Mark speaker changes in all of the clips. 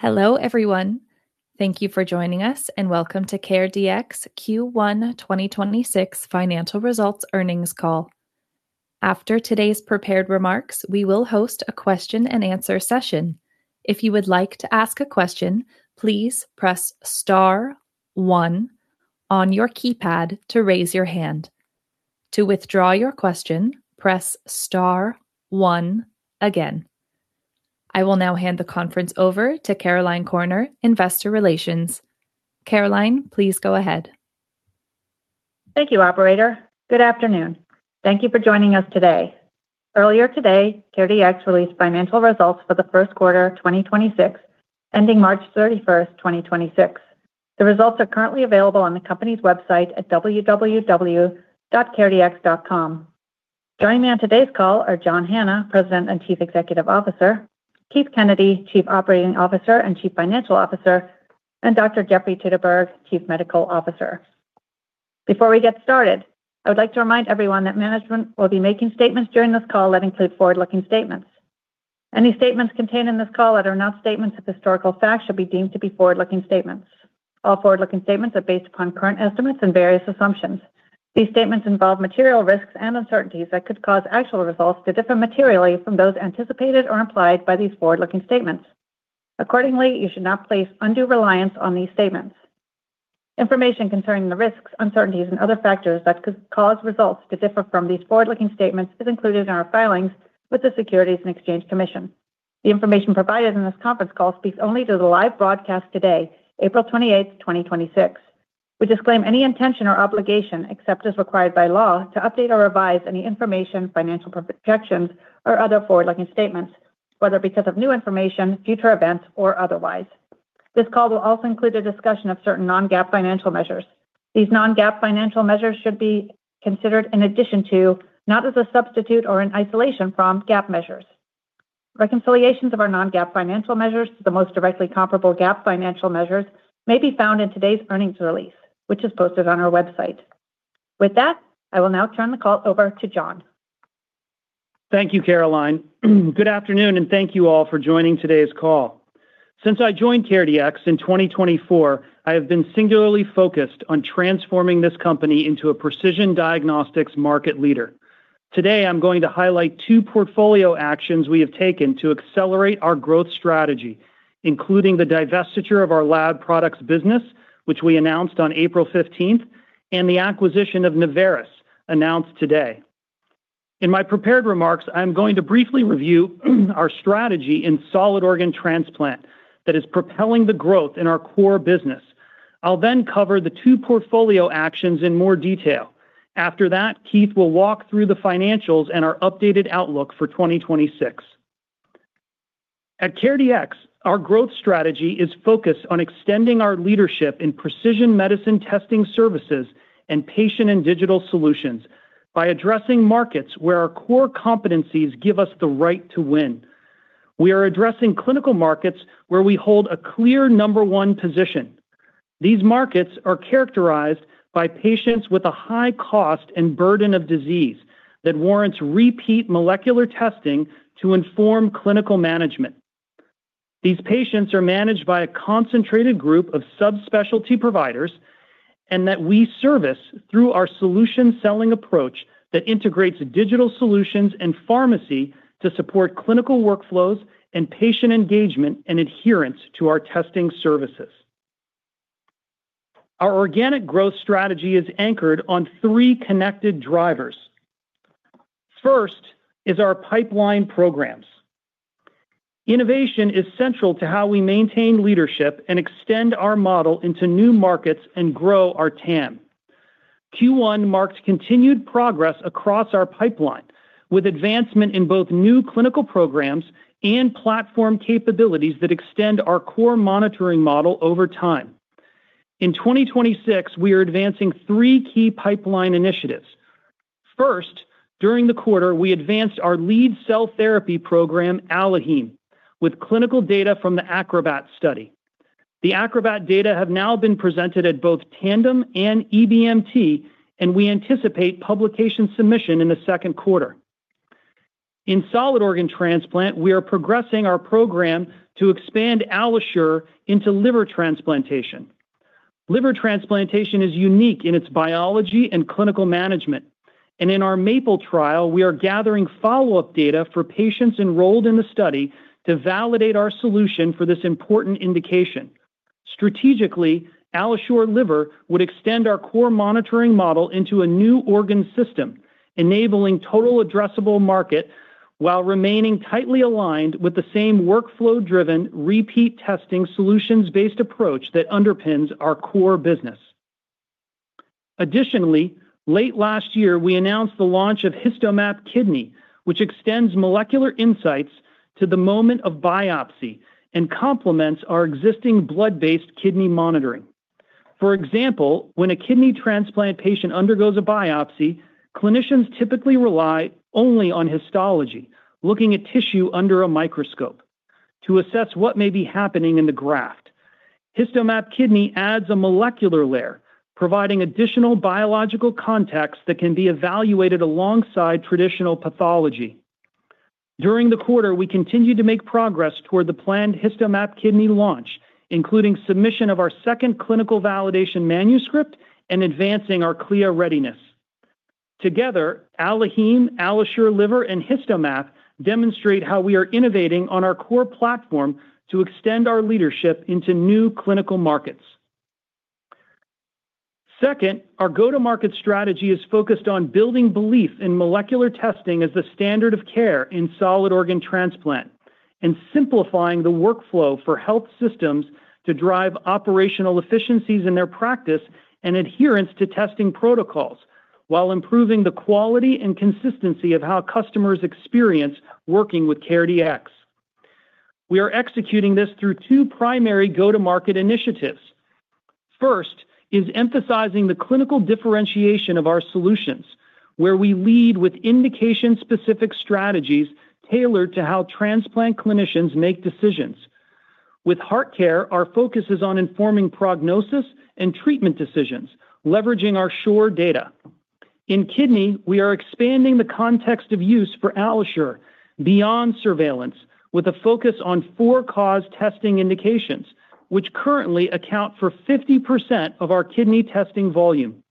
Speaker 1: Hello, everyone. Thank you for joining us, and welcome to CareDx Q1 2026 financial results earnings call. After today's prepared remarks, we will host a question-and-answer session. If you would like to ask a question, please press star one on your keypad to raise your hand. To withdraw your question, press star one again. I will now hand the conference over to Caroline Corner, Investor Relations. Caroline, please go ahead.
Speaker 2: Thank you, operator. Good afternoon. Thank you for joining us today. Earlier today, CareDx released financial results for the first quarter of 2026, ending March 31st, 2026. The results are currently available on the company's website at www.caredx.com. Joining me on today's call are John Hanna, President and Chief Executive Officer, Keith Kennedy, Chief Operating Officer and Chief Financial Officer, and Dr. Jeffrey Teuteberg, Chief Medical Officer. Before we get started, I would like to remind everyone that management will be making statements during this call that include forward-looking statements. Any statements contained in this call that are not statements of historical fact should be deemed to be forward-looking statements. All forward-looking statements are based upon current estimates and various assumptions. These statements involve material risks and uncertainties that could cause actual results to differ materially from those anticipated or implied by these forward-looking statements. Accordingly, you should not place undue reliance on these statements. Information concerning the risks, uncertainties and other factors that could cause results to differ from these forward-looking statements is included in our filings with the Securities and Exchange Commission. The information provided in this conference call speaks only to the live broadcast today, April 28th, 2026. We disclaim any intention or obligation, except as required by law, to update or revise any information, financial projections, or other forward-looking statements, whether because of new information, future events, or otherwise. This call will also include a discussion of certain non-GAAP financial measures. These non-GAAP financial measures should be considered in addition to, not as a substitute or in isolation from, GAAP measures. Reconciliations of our non-GAAP financial measures to the most directly comparable GAAP financial measures may be found in today's earnings release, which is posted on our website. With that, I will now turn the call over to John.
Speaker 3: Thank you, Caroline. Good afternoon. Thank you all for joining today's call. Since I joined CareDx in 2024, I have been singularly focused on transforming this company into a precision diagnostics market leader. Today, I'm going to highlight two portfolio actions we have taken to accelerate our growth strategy, including the divestiture of our lab products business, which we announced on April 15th, and the acquisition of Navoris, announced today. In my prepared remarks, I'm going to briefly review our strategy in solid organ transplant that is propelling the growth in our core business. I'll cover the two portfolio actions in more detail. After that, Keith will walk through the financials and our updated outlook for 2026. At CareDx, our growth strategy is focused on extending our leadership in precision medicine testing services and patient and digital solutions by addressing markets where our core competencies give us the right to win. We are addressing clinical markets where we hold a clear number one position. These markets are characterized by patients with a high cost and burden of disease that warrants repeat molecular testing to inform clinical management. These patients are managed by a concentrated group of subspecialty providers, and that we service through our solution selling approach that integrates digital solutions and pharmacy to support clinical workflows and patient engagement and adherence to our testing services. Our organic growth strategy is anchored on three connected drivers. First is our pipeline programs. Innovation is central to how we maintain leadership and extend our model into new markets and grow our TAM. Q1 marked continued progress across our pipeline, with advancement in both new clinical programs and platform capabilities that extend our core monitoring model over time. In 2026, we are advancing three key pipeline initiatives. First, during the quarter, we advanced our lead cell therapy program, AlloHeme, with clinical data from the ACROBAT study. The ACROBAT data have now been presented at both Tandem and EBMT, and we anticipate publication submission in the second quarter. In solid organ transplant, we are progressing our program to expand AlloSure into liver transplantation. Liver transplantation is unique in its biology and clinical management. In our MAPLE trial, we are gathering follow-up data for patients enrolled in the study to validate our solution for this important indication. Strategically, AlloSure Liver would extend our core monitoring model into a new organ system, enabling total addressable market while remaining tightly aligned with the same workflow-driven, repeat testing solutions-based approach that underpins our core business. Late last year, we announced the launch of HistoMap Kidney, which extends molecular insights to the moment of biopsy and complements our existing blood-based kidney monitoring. When a kidney transplant patient undergoes a biopsy, clinicians typically rely only on histology, looking at tissue under a microscope to assess what may be happening in the graft. HistoMap Kidney adds a molecular layer, providing additional biological context that can be evaluated alongside traditional pathology. During the quarter, we continued to make progress toward the planned HistoMap Kidney launch, including submission of our second clinical validation manuscript and advancing our CLIA readiness. Together, AlloHeme, AlloSure Liver, and HistoMap demonstrate how we are innovating on our core platform to extend our leadership into new clinical markets. Second, our go-to-market strategy is focused on building belief in molecular testing as the standard of care in solid organ transplant and simplifying the workflow for health systems to drive operational efficiencies in their practice and adherence to testing protocols while improving the quality and consistency of how customers experience working with CareDx. We are executing this through two primary go-to-market initiatives. First is emphasizing the clinical differentiation of our solutions, where we lead with indication-specific strategies tailored to how transplant clinicians make decisions. With HeartCare, our focus is on informing prognosis and treatment decisions, leveraging our SURE data. In kidney, we are expanding the context of use for AlloSure beyond surveillance with a focus on four cause testing indications, which currently account for 50% of our kidney testing volume.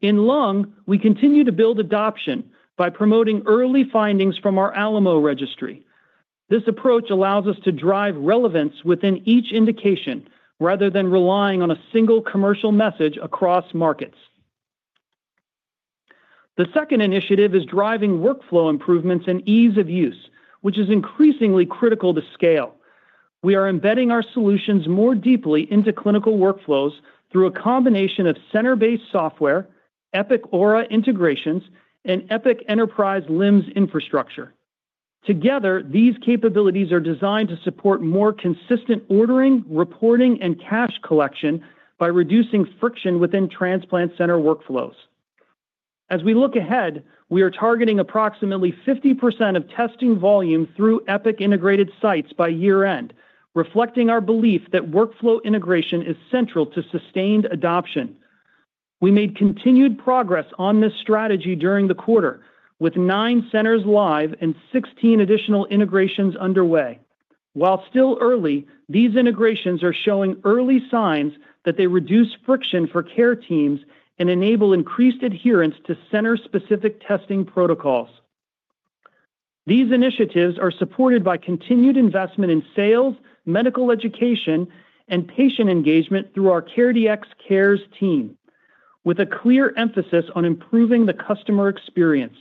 Speaker 3: In lung, we continue to build adoption by promoting early findings from our ALAMO registry. This approach allows us to drive relevance within each indication rather than relying on a single commercial message across markets. The second initiative is driving workflow improvements and ease of use, which is increasingly critical to scale. We are embedding our solutions more deeply into clinical workflows through a combination of center-based software, Epic Aura integrations, and Epic Enterprise LIMS infrastructure. Together, these capabilities are designed to support more consistent ordering, reporting, and cash collection by reducing friction within transplant center workflows. As we look ahead, we are targeting approximately 50% of testing volume through Epic-integrated sites by year-end, reflecting our belief that workflow integration is central to sustained adoption. We made continued progress on this strategy during the quarter with nine centers live and 16 additional integrations underway. While still early, these integrations are showing early signs that they reduce friction for care teams and enable increased adherence to center-specific testing protocols. These initiatives are supported by continued investment in sales, medical education, and patient engagement through our CareDx Cares team with a clear emphasis on improving the customer experience.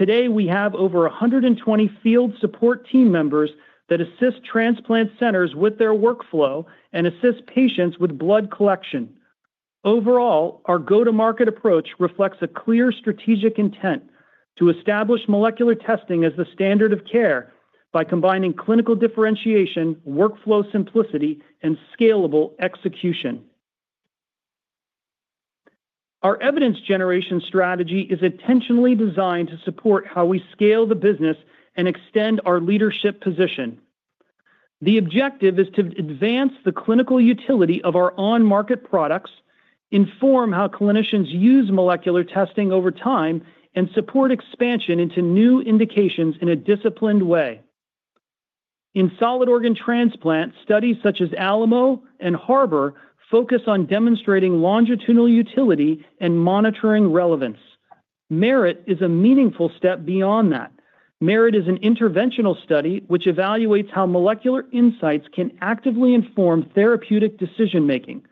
Speaker 3: Today we have over 120 field support team members that assist transplant centers with their workflow and assist patients with blood collection. Overall, our go-to-market approach reflects a clear strategic intent to establish molecular testing as the standard of care by combining clinical differentiation, workflow simplicity, and scalable execution. Our evidence generation strategy is intentionally designed to support how we scale the business and extend our leadership position. The objective is to advance the clinical utility of our on-market products, inform how clinicians use molecular testing over time, and support expansion into new indications in a disciplined way. In solid organ transplant, studies such as ALAMO and HARBOR focus on demonstrating longitudinal utility and monitoring relevance. MERIT is a meaningful step beyond that. MERIT is an interventional study which evaluates how molecular insights can actively inform therapeutic decision-making.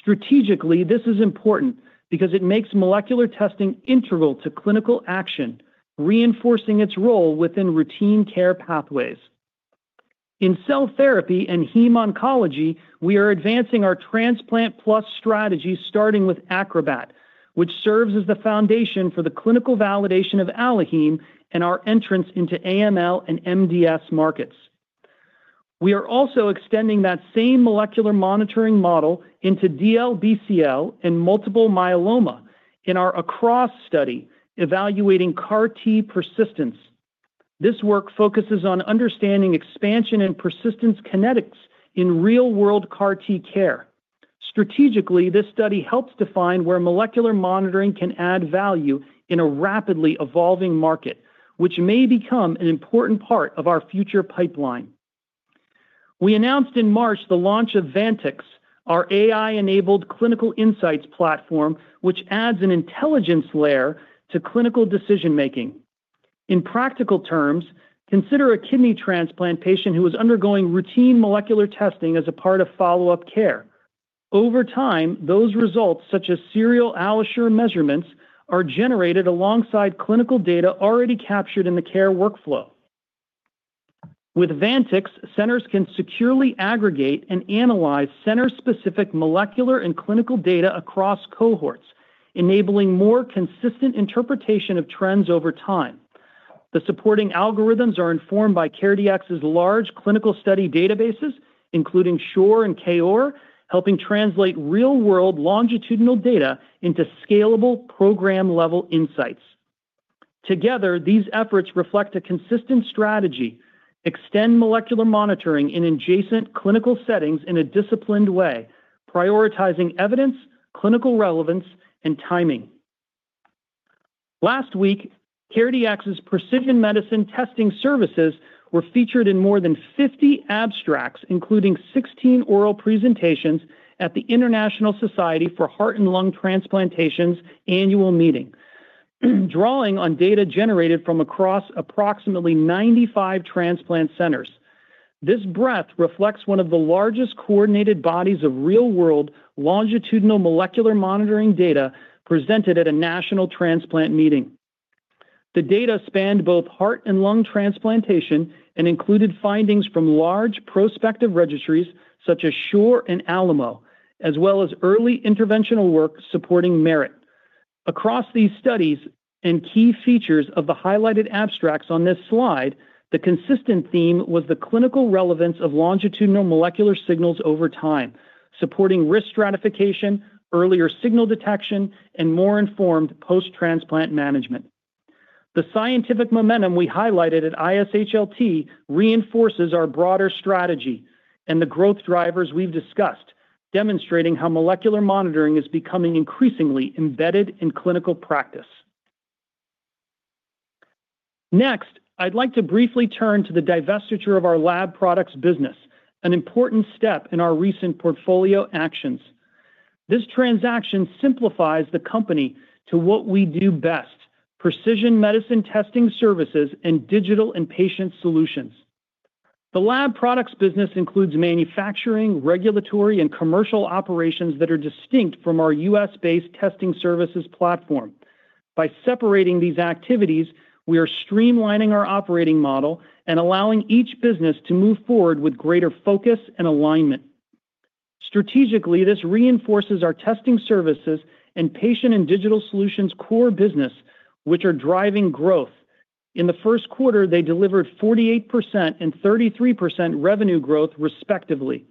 Speaker 3: Strategically, this is important because it makes molecular testing integral to clinical action, reinforcing its role within routine care pathways. In cell therapy and heme oncology, we are advancing our Transplant Plus strategy, starting with ACROBAT, which serves as the foundation for the clinical validation of AlloHeme and our entrance into AML and MDS markets. We are also extending that same molecular monitoring model into DLBCL and multiple myeloma in our ACROSS study evaluating CAR T persistence. This work focuses on understanding expansion and persistence kinetics in real-world CAR T care. Strategically, this study helps define where molecular monitoring can add value in a rapidly evolving market, which may become an important part of our future pipeline. We announced in March the launch of VANTx, our AI-enabled clinical insights platform, which adds an intelligence layer to clinical decision-making. In practical terms, consider a kidney transplant patient who is undergoing routine molecular testing as a part of follow-up care. Over time, those results, such as serial AlloSure measurements, are generated alongside clinical data already captured in the care workflow. With VANTx, centers can securely aggregate and analyze center-specific molecular and clinical data across cohorts, enabling more consistent interpretation of trends over time. The supporting algorithms are informed by CareDx's large clinical study databases, including SURE and KOAR, helping translate real-world longitudinal data into scalable program-level insights. Together, these efforts reflect a consistent strategy, extend molecular monitoring in adjacent clinical settings in a disciplined way, prioritizing evidence, clinical relevance, and timing. Last week, CareDx's precision medicine testing services were featured in more than 50 abstracts, including 16 oral presentations at the International Society for Heart and Lung Transplantation's annual meeting, drawing on data generated from across approximately 95 transplant centers. This breadth reflects one of the largest coordinated bodies of real-world longitudinal molecular monitoring data presented at a national transplant meeting. The data spanned both heart and lung transplantation and included findings from large prospective registries such as SURE and ALAMO, as well as early interventional work supporting MERIT. Across these studies and key features of the highlighted abstracts on this slide, the consistent theme was the clinical relevance of longitudinal molecular signals over time, supporting risk stratification, earlier signal detection, and more informed post-transplant management. The scientific momentum we highlighted at ISHLT reinforces our broader strategy and the growth drivers we've discussed, demonstrating how molecular monitoring is becoming increasingly embedded in clinical practice. Next, I'd like to briefly turn to the divestiture of our lab products business, an important step in our recent portfolio actions. This transaction simplifies the company to what we do best, precision medicine testing services and digital and patient solutions. The lab products business includes manufacturing, regulatory, and commercial operations that are distinct from our US-based testing services platform. By separating these activities, we are streamlining our operating model and allowing each business to move forward with greater focus and alignment. Strategically, this reinforces our testing services and patient and digital solutions core business, which are driving growth. In the first quarter, they delivered 48% and 33% revenue growth, respectively.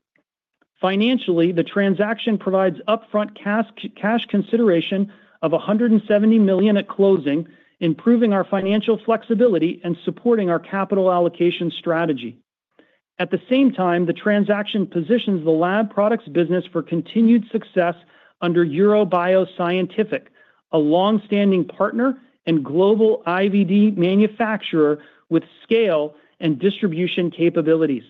Speaker 3: Financially, the transaction provides upfront cash consideration of $170 million at closing, improving our financial flexibility and supporting our capital allocation strategy. At the same time, the transaction positions the lab products business for continued success under Eurobio Scientific, a long-standing partner and global IVD manufacturer with scale and distribution capabilities.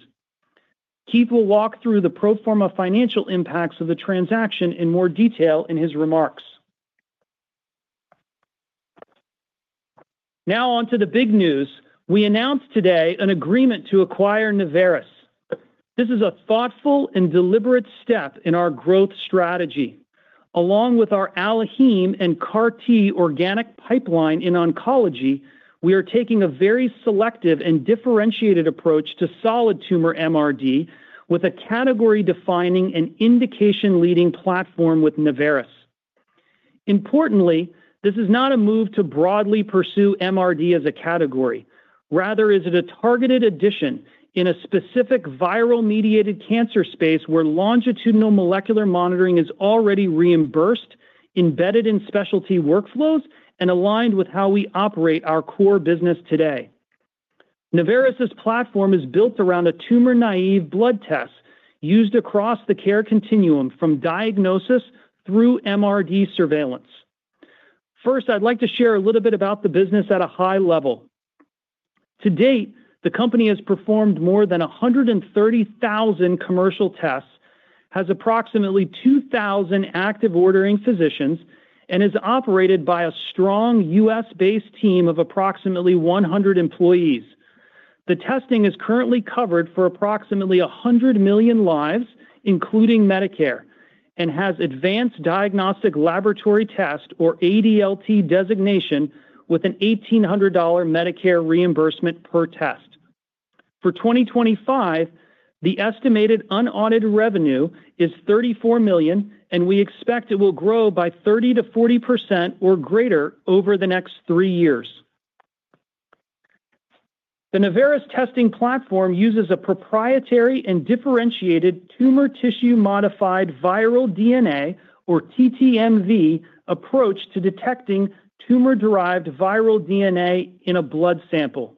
Speaker 3: Keith will walk through the pro forma financial impacts of the transaction in more detail in his remarks. On to the big news. We announced today an agreement to acquire Navoris. This is a thoughtful and deliberate step in our growth strategy. Along with our AlloHeme and CAR T organic pipeline in oncology, we are taking a very selective and differentiated approach to solid tumor MRD with a category-defining and indication-leading platform with Navoris. Importantly, this is not a move to broadly pursue MRD as a category. It is a targeted addition in a specific viral-mediated cancer space where longitudinal molecular monitoring is already reimbursed, embedded in specialty workflows, and aligned with how we operate our core business today. Navoris' platform is built around a tumor-naive blood test used across the care continuum from diagnosis through MRD surveillance. First, I'd like to share a little bit about the business at a high level. To date, the company has performed more than 130,000 commercial tests, has approximately 2,000 active ordering physicians, and is operated by a strong U.S.-based team of approximately 100 employees. The testing is currently covered for approximately 100 million lives, including Medicare, and has advanced diagnostic laboratory test or ADLT designation with an $1,800 Medicare reimbursement per test. For 2025, the estimated unaudited revenue is $34 million, we expect it will grow by 30%-40% or greater over the next three years. The Navoris testing platform uses a proprietary and differentiated tumor tissue modified viral DNA, or TTMV, approach to detecting tumor-derived viral DNA in a blood sample.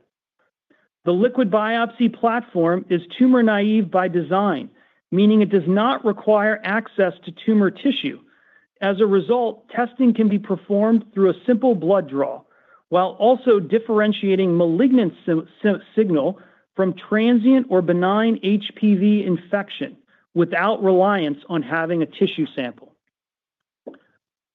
Speaker 3: The liquid biopsy platform is tumor-naive by design, meaning it does not require access to tumor tissue. As a result, testing can be performed through a simple blood draw while also differentiating malignant signal from transient or benign HPV infection without reliance on having a tissue sample.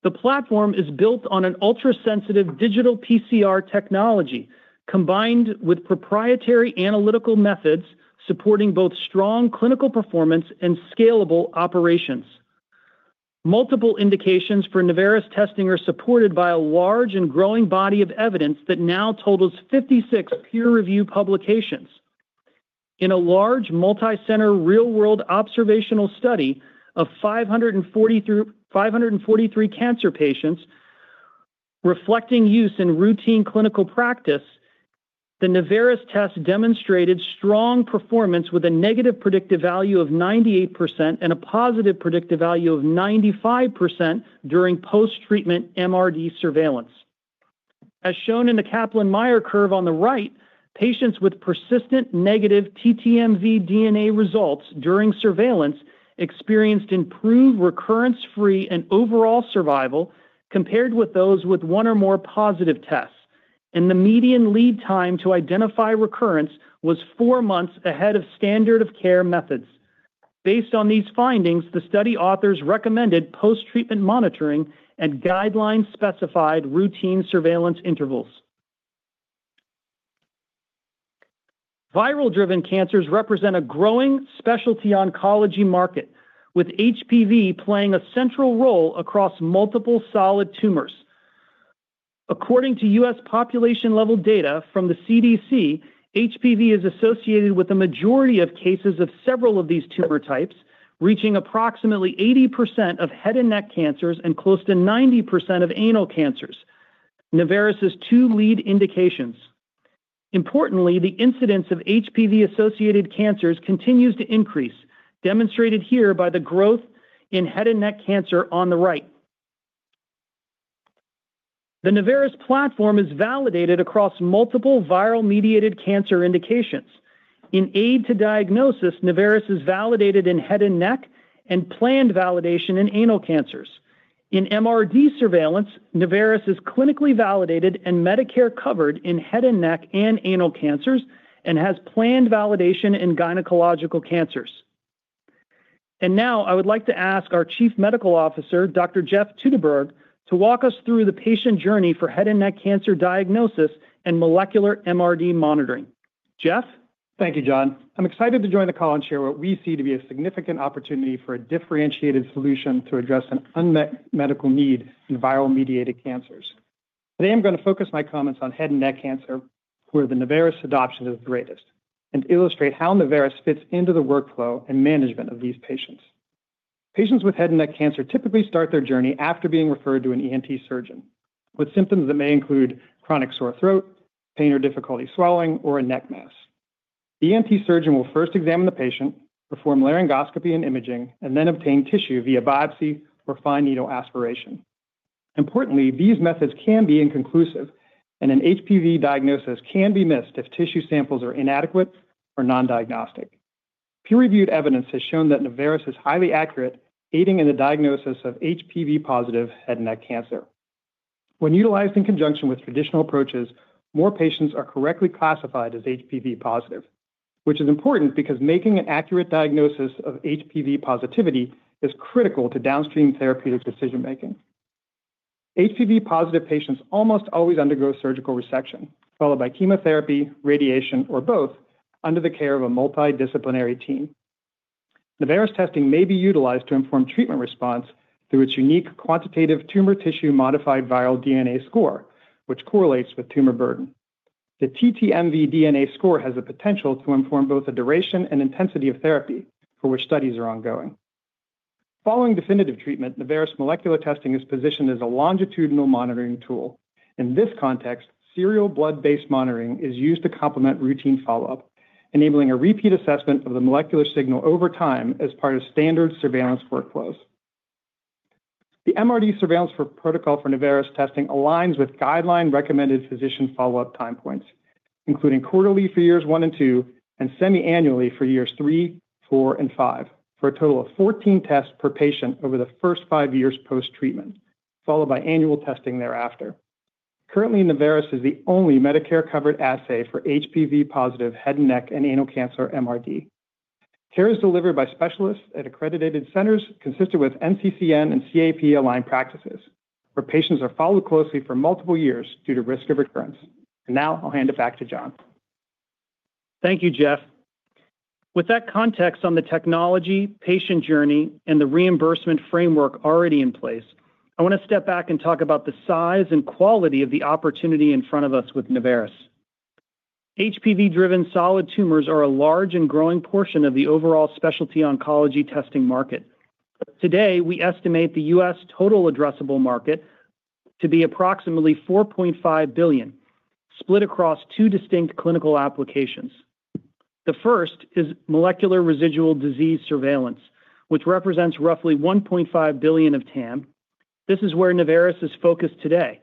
Speaker 3: The platform is built on an ultrasensitive digital PCR technology combined with proprietary analytical methods supporting both strong clinical performance and scalable operations. Multiple indications for Navoris testing are supported by a large and growing body of evidence that now totals 56 peer-review publications. In a large multicenter real-world observational study of 543 cancer patients reflecting use in routine clinical practice. The Navoris test demonstrated strong performance with a negative predictive value of 98% and a positive predictive value of 95% during post-treatment MRD surveillance. As shown in the Kaplan-Meier curve on the right, patients with persistent negative TTMV DNA results during surveillance experienced improved recurrence-free and overall survival compared with those with one or more positive tests. The median lead time to identify recurrence was four months ahead of standard of care methods. Based on these findings, the study authors recommended post-treatment monitoring and guideline-specified routine surveillance intervals. Viral-driven cancers represent a growing specialty oncology market, with HPV playing a central role across multiple solid tumors. According to U.S. population-level data from the CDC, HPV is associated with the majority of cases of several of these tumor types, reaching approximately 80% of head and neck cancers and close to 90% of anal cancers, Navoris's two lead indications. Importantly, the incidence of HPV-associated cancers continues to increase, demonstrated here by the growth in head and neck cancer on the right. The Navoris platform is validated across multiple viral-mediated cancer indications. In aid to diagnosis, Navoris is validated in head and neck and planned validation in anal cancers. In MRD surveillance, Navoris is clinically validated and Medicare-covered in head and neck and anal cancers and has planned validation in gynecological cancers. Now I would like to ask our Chief Medical Officer, Dr. Jeff Teuteberg, to walk us through the patient journey for head and neck cancer diagnosis and molecular MRD monitoring. Jeff?
Speaker 4: Thank you, John. I'm excited to join the call and share what we see to be a significant opportunity for a differentiated solution to address an unmet medical need in viral-mediated cancers. Today, I'm going to focus my comments on head and neck cancer, where the Navoris adoption is greatest, and illustrate how Navoris fits into the workflow and management of these patients. Patients with head and neck cancer typically start their journey after being referred to an ENT surgeon, with symptoms that may include chronic sore throat, pain or difficulty swallowing, or a neck mass. The ENT surgeon will first examine the patient, perform laryngoscopy and imaging, and then obtain tissue via biopsy or fine needle aspiration. Importantly, these methods can be inconclusive, and an HPV diagnosis can be missed if tissue samples are inadequate or non-diagnostic. Peer-reviewed evidence has shown that Navoris is highly accurate, aiding in the diagnosis of HPV-positive head and neck cancer. When utilized in conjunction with traditional approaches, more patients are correctly classified as HPV positive, which is important because making an accurate diagnosis of HPV positivity is critical to downstream therapeutic decision-making. HPV-positive patients almost always undergo surgical resection, followed by chemotherapy, radiation, or both, under the care of a multidisciplinary team. Navoris testing may be utilized to inform treatment response through its unique quantitative tumor tissue modified viral DNA score, which correlates with tumor burden. The TTMV-DNA score has the potential to inform both the duration and intensity of therapy, for which studies are ongoing. Following definitive treatment, Navoris molecular testing is positioned as a longitudinal monitoring tool. In this context, serial blood-based monitoring is used to complement routine follow-up, enabling a repeat assessment of the molecular signal over time as part of standard surveillance workflows. The MRD surveillance protocol for Navoris testing aligns with guideline-recommended physician follow-up time points, including quarterly for years one and two, and semi-annually for years three, four, and five, for a total of 14 tests per patient over the first five years post-treatment, followed by annual testing thereafter. Currently, Navoris is the only Medicare-covered assay for HPV-positive head, neck, and anal cancer MRD. Care is delivered by specialists at accredited centers consistent with NCCN and CAP-aligned practices, where patients are followed closely for multiple years due to risk of recurrence. Now I'll hand it back to John.
Speaker 3: Thank you, Jeff. With that context on the technology, patient journey, and the reimbursement framework already in place, I want to step back and talk about the size and quality of the opportunity in front of us with Navoris. HPV-driven solid tumors are a large and growing portion of the overall specialty oncology testing market. Today, we estimate the U.S. total addressable market to be approximately $4.5 billion, split across two distinct clinical applications. The first is molecular residual disease surveillance, which represents roughly $1.5 billion of TAM. This is where Navoris is focused today,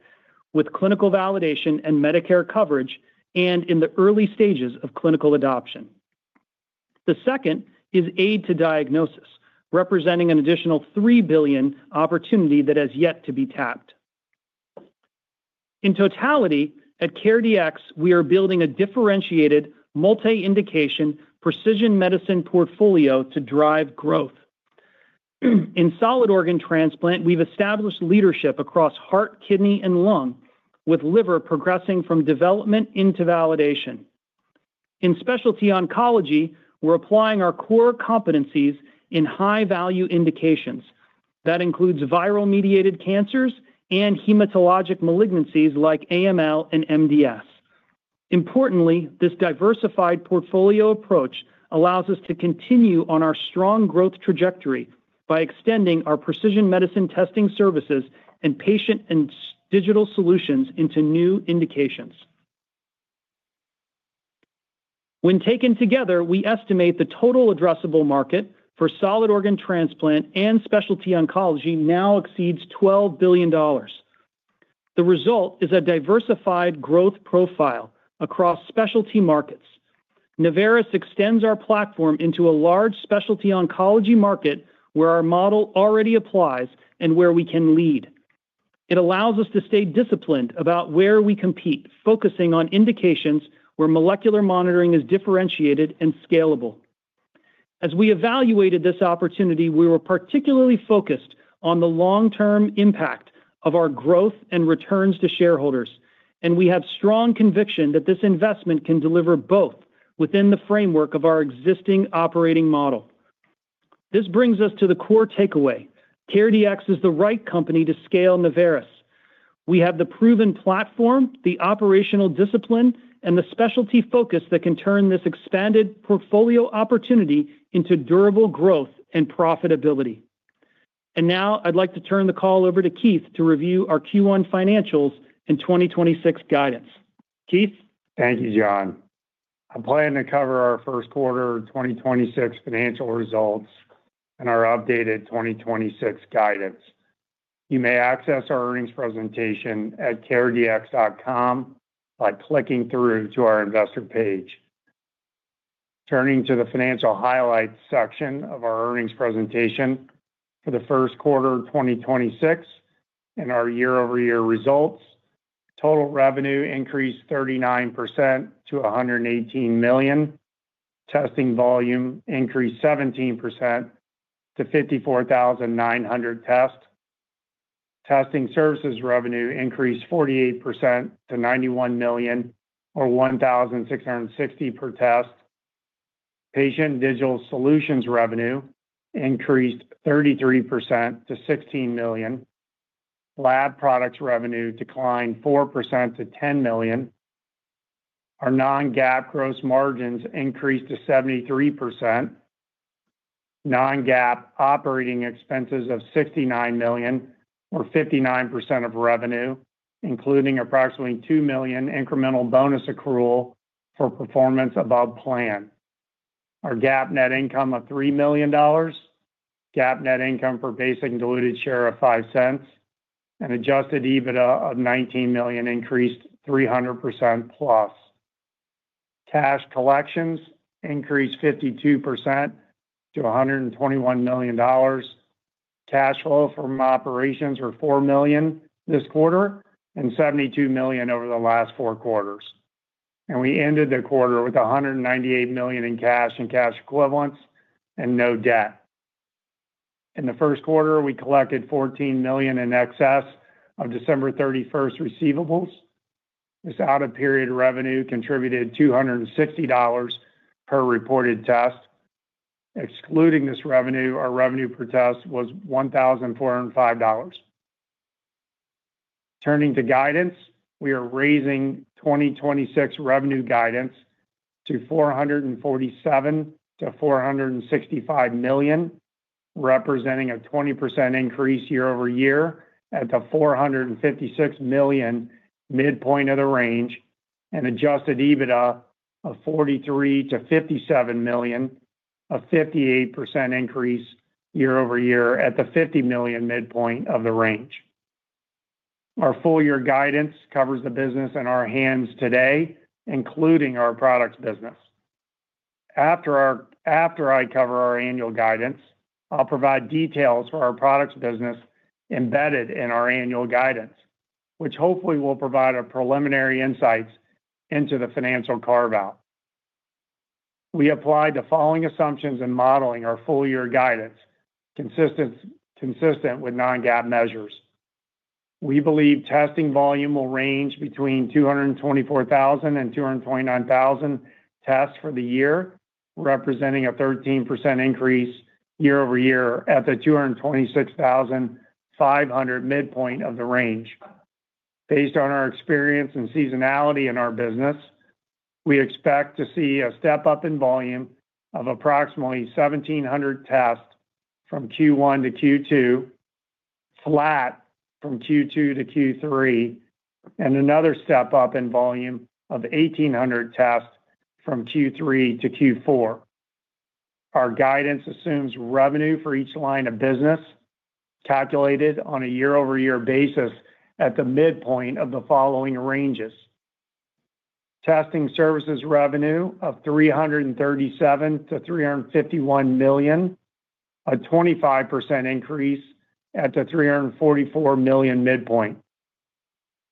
Speaker 3: with clinical validation and Medicare coverage and in the early stages of clinical adoption. The second is aid to diagnosis, representing an additional $3 billion opportunity that has yet to be tapped. In totality, at CareDx, we are building a differentiated, multi-indication, precision medicine portfolio to drive growth. In solid organ transplant, we've established leadership across heart, kidney, and lung, with liver progressing from development into validation. In specialty oncology, we're applying our core competencies in high-value indications. That includes viral-mediated cancers and hematologic malignancies like AML and MDS. Importantly, this diversified portfolio approach allows us to continue on our strong growth trajectory by extending our precision medicine testing services and patient and digital solutions into new indications. When taken together, we estimate the total addressable market for solid organ transplant and specialty oncology now exceeds $12 billion. The result is a diversified growth profile across specialty markets. Navoris extends our platform into a large specialty oncology market where our model already applies and where we can lead. It allows us to stay disciplined about where we compete, focusing on indications where molecular monitoring is differentiated and scalable. As we evaluated this opportunity, we were particularly focused on the long-term impact of our growth and returns to shareholders, and we have strong conviction that this investment can deliver both within the framework of our existing operating model. This brings us to the core takeaway. CareDx is the right company to scale Navoris. We have the proven platform, the operational discipline, and the specialty focus that can turn this expanded portfolio opportunity into durable growth and profitability. Now I'd like to turn the call over to Keith to review our Q1 financials and 2026 guidance. Keith?
Speaker 5: Thank you, John. I'm planning to cover our first quarter 2026 financial results and our updated 2026 guidance. You may access our earnings presentation at caredx.com by clicking through to our investor page. Turning to the financial highlights section of our earnings presentation for the first quarter of 2026 and our year-over-year results, total revenue increased 39% to $118 million. Testing volume increased 17% to 54,900 tests. Testing services revenue increased 48% to $91 million, or $1,660 per test. Patient digital solutions revenue increased 33% to $16 million. Lab products revenue declined 4% to $10 million. Our non-GAAP gross margins increased to 73%. Non-GAAP operating expenses of $69 million, or 59% of revenue, including approximately $2 million incremental bonus accrual for performance above plan. Our GAAP net income of $3 million. GAAP net income per basic diluted share of $0.05. Adjusted EBITDA of $19 million increased 300%+. Cash collections increased 52% to $121 million. Cash flow from operations were $4 million this quarter and $72 million over the last four quarters. We ended the quarter with $198 million in cash and cash equivalents and no debt. In the first quarter, we collected $14 million in excess of December 31st receivables. This out-of-period revenue contributed $260 per reported test. Excluding this revenue, our revenue per test was $1,405. Turning to guidance, we are raising 2026 revenue guidance to $447 million-$465 million, representing a 20% increase year-over-year at the $456 million midpoint of the range, and adjusted EBITDA of $43 million-$57 million, a 58% increase year-over-year at the $50 million midpoint of the range. Our full-year guidance covers the business in our hands today, including our products business. After I cover our annual guidance, I will provide details for our products business embedded in our annual guidance, which hopefully will provide a preliminary insights into the financial carve-out. We applied the following assumptions in modeling our full-year guidance, consistent with non-GAAP measures. We believe testing volume will range between 224,000 and 229,000 tests for the year, representing a 13% increase year-over-year at the 226,500 midpoint of the range. Based on our experience and seasonality in our business, we expect to see a step-up in volume of approximately 1,700 tests from Q1 to Q2, flat from Q2 to Q3, and another step-up in volume of 1,800 tests from Q3 to Q4. Our guidance assumes revenue for each line of business calculated on a year-over-year basis at the midpoint of the following ranges. Testing services revenue of $337 million-$351 million, a 25% increase at the $344 million midpoint.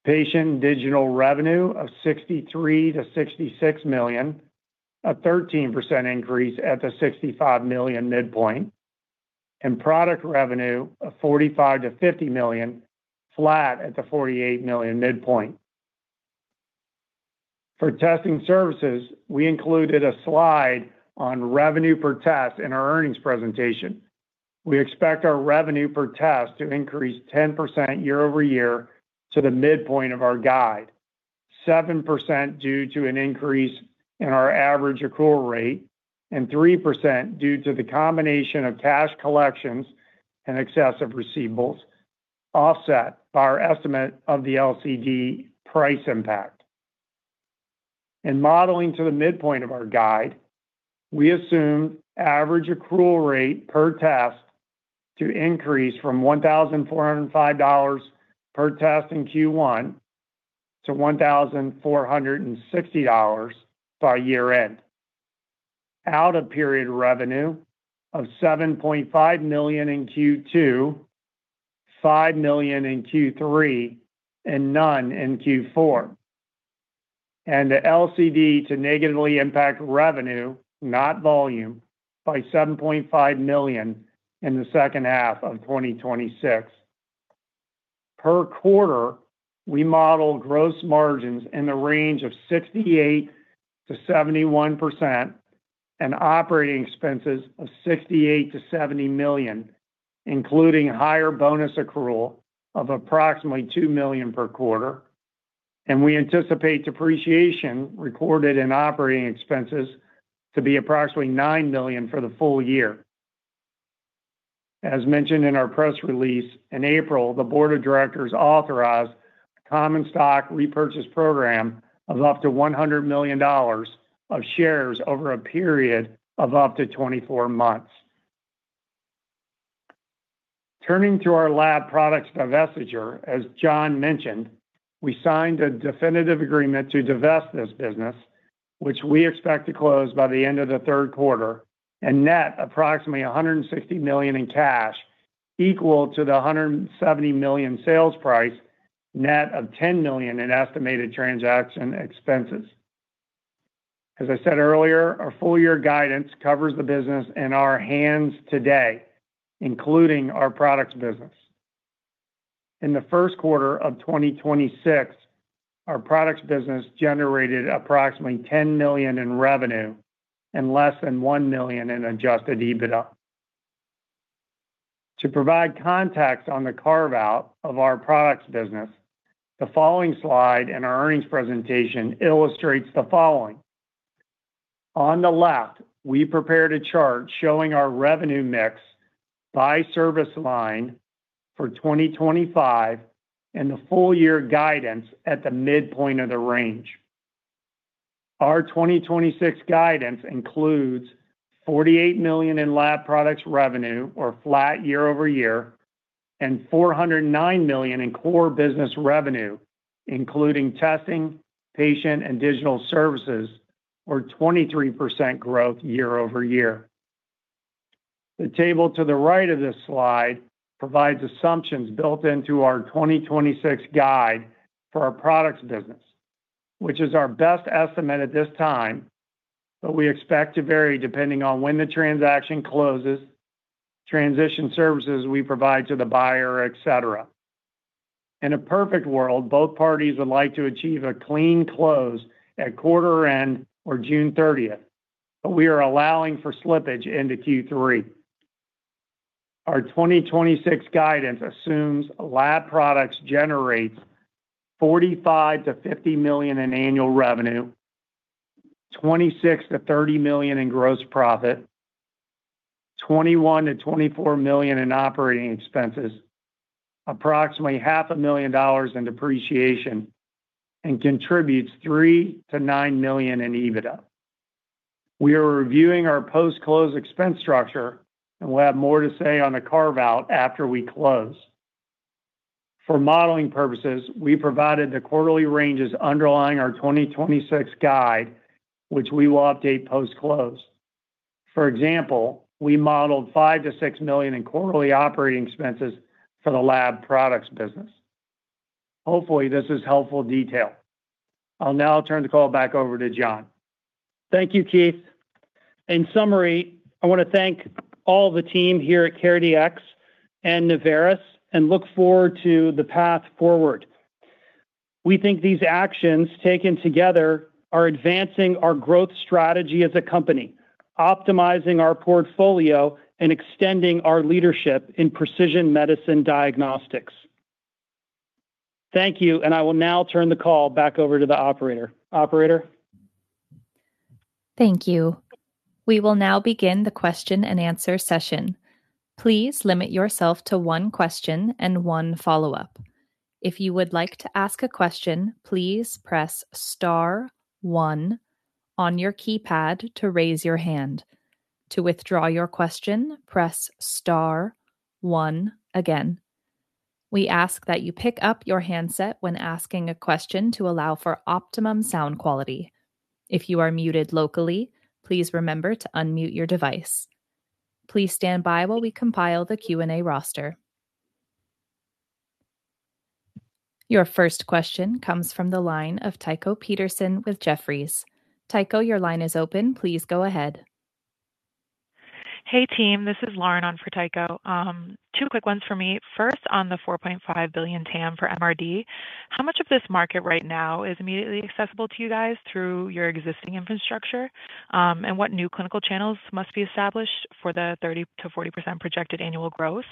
Speaker 5: Patient digital revenue of $63 million-$66 million, a 13% increase at the $65 million midpoint. Product revenue of $45 million-$50 million, flat at the $48 million midpoint. For testing services, we included a slide on revenue per test in our earnings presentation. We expect our revenue per test to increase 10% year-over-year to the midpoint of our guide. 7% due to an increase in our average accrual rate, and 3% due to the combination of cash collections in excess of receivables, offset by our estimate of the LCD price impact. In modeling to the midpoint of our guide, we assume average accrual rate per test to increase from $1,405 per test in Q1 to $1,460 by year-end. Out of period revenue of $7.5 million in Q2, $5 million in Q3, and none in Q4. The LCD to negatively impact revenue, not volume, by $7.5 million in the second half of 2026. Per quarter, we model gross margins in the range of 68%-71% and operating expenses of $68 million-$70 million, including higher bonus accrual of approximately $2 million per quarter. We anticipate depreciation recorded in operating expenses to be approximately $9 million for the full year. As mentioned in our press release, in April, the board of directors authorized a common stock repurchase program of up to $100 million of shares over a period of up to 24 months. Turning to our lab products divestiture, as John mentioned, we signed a definitive agreement to divest this business, which we expect to close by the end of the third quarter and net approximately $160 million in cash, equal to the $170 million sales price, net of $10 million in estimated transaction expenses. As I said earlier, our full year guidance covers the business in our hands today, including our products business. In the first quarter of 2026, our products business generated approximately $10 million in revenue and less than $1 million in adjusted EBITDA. To provide context on the carve-out of our products business, the following slide in our earnings presentation illustrates the following. On the left, we prepared a chart showing our revenue mix by service line for 2025 and the full year guidance at the midpoint of the range. Our 2026 guidance includes $48 million in lab products revenue, or flat year-over-year, and $409 million in core business revenue, including testing, patient and digital services, or 23% growth year-over-year. The table to the right of this slide provides assumptions built into our 2026 guide for our products business, which is our best estimate at this time, but we expect to vary depending on when the transaction closes, transition services we provide to the buyer, et cetera. In a perfect world, both parties would like to achieve a clean close at quarter end or June 30th, but we are allowing for slippage into Q3. Our 2026 guidance assumes lab products generates $45 million-$50 million in annual revenue, $26 million-$30 million in gross profit, $21 million-$24 million in operating expenses, approximately half a million dollars in depreciation, and contributes $3 million-$9 million in EBITDA. We are reviewing our post-close expense structure, and we'll have more to say on the carve-out after we close. For modeling purposes, we provided the quarterly ranges underlying our 2026 guide, which we will update post-close. For example, we modeled $5 million-$6 million in quarterly operating expenses for the lab products business. Hopefully, this is helpful detail. I'll now turn the call back over to John.
Speaker 3: Thank you, Keith. In summary, I want to thank all the team here at CareDx and Navoris, and look forward to the path forward. We think these actions taken together are advancing our growth strategy as a company, optimizing our portfolio and extending our leadership in precision medicine diagnostics. Thank you, and I will now turn the call back over to the operator. Operator?
Speaker 1: Thank you. We will now begin the question and answer session. Please limit yourself to one question and one follow-up. If you would like to ask a question, please press star one on your keypad to raise your hand. To withdraw your question, press star one again. We ask that you pick up your handset when asking a question to allow for optimum sound quality. If you are muted locally, please remember to unmute your device. Your first question comes from the line of Tycho Peterson with Jefferies. Tycho, your line is open. Please go ahead.
Speaker 6: Hey, team. This is Lauren on for Tycho. two quick ones for me. First, on the $4.5 billion TAM for MRD, how much of this market right now is immediately accessible to you guys through your existing infrastructure? What new clinical channels must be established for the 30%-40% projected annual growth?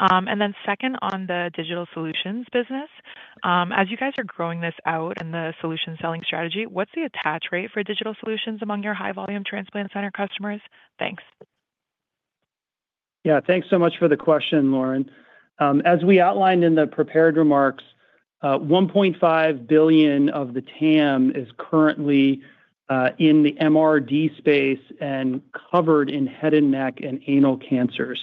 Speaker 6: Second, on the digital solutions business, as you guys are growing this out and the solution selling strategy, what's the attach rate for digital solutions among your high volume transplant center customers? Thanks.
Speaker 3: Thanks so much for the question, Lauren. As we outlined in the prepared remarks, $1.5 billion of the TAM is currently in the MRD space and covered in head and neck and anal cancers.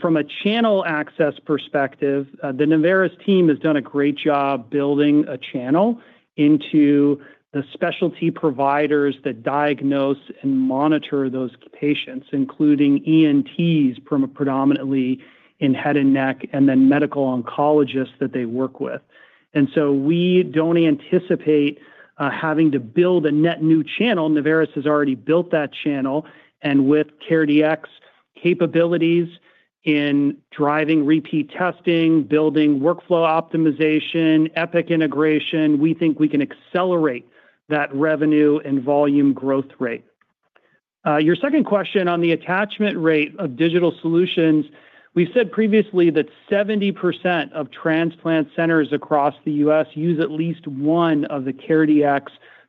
Speaker 3: From a channel access perspective, the Navoris team has done a great job building a channel into the specialty providers that diagnose and monitor those patients, including ENTs predominantly in head and neck, and then medical oncologists that they work with. We don't anticipate having to build a net new channel. Navoris has already built that channel. With CareDx capabilities in driving repeat testing, building workflow optimization, Epic integration, we think we can accelerate that revenue and volume growth rate. Your second question on the attachment rate of digital solutions, we said previously that 70% of transplant centers across the U.S. use at least one of the CareDx